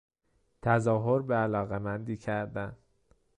تظاهر به علاقمندی کردن